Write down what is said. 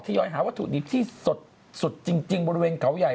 ยอยหาวัตถุดิบที่สดจริงบริเวณเขาใหญ่